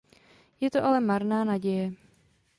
Je to ale marná naděje.